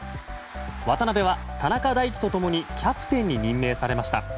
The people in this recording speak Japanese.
渡邊は田中大貴と共にキャプテンに任命されました。